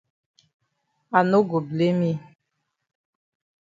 I no go blame yi.